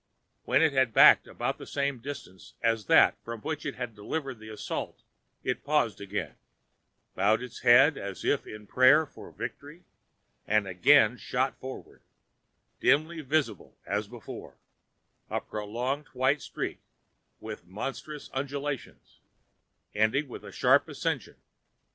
When it had backed about the same distance as that from which it had delivered the assault it paused again, bowed its head as if in prayer for victory and again shot forward, dimly visible as before—a prolonging white streak with monstrous undulations, ending with a sharp ascension.